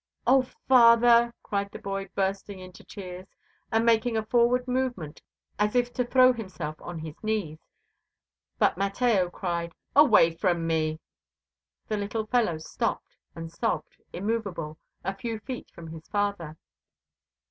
"Oh, father!" cried the boy, bursting into tears, and making a forward movement as if to throw himself on his knees. But Mateo cried, "Away from me!" The little fellow stopped and sobbed, immovable, a few feet from his father.